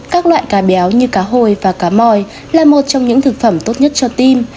các loại cá béo như cá hồi và cá mòi là một trong những thực phẩm tốt nhất cho tim